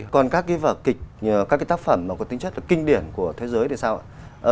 còn các cái vở kịch các cái tác phẩm mà có tính chất là kinh điển của thế giới thì sao ạ